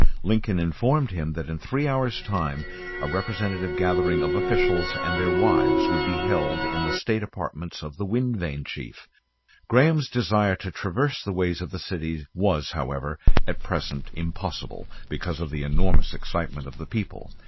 Lincoln informed him that in three hours' time a representative gathering of officials and their wives would be held in the state apartments of the wind vane Chief. Graham's desire to traverse the ways of the city was, however, at present impossible, because of the enormous excitement of the people.